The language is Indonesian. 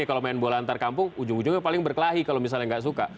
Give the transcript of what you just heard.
kalau main bola antar kampung ujung ujungnya paling berkelahi kalau misalnya nggak suka